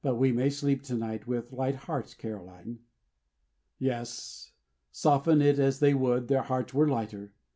We may sleep to night with light hearts, Caroline!" Yes. Soften it as they would, their hearts were lighter.